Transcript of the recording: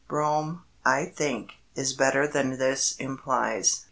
Brome, I think, is better than this implies.